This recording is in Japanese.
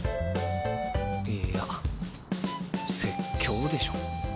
いや説教でしょ。